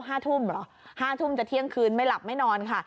ห้าทุ่มเหรอห้าทุ่มจะเที่ยงคืนไม่หลับไม่นอนค่ะ